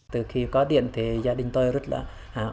từ khi có điện thì gia đình tôi rất là hào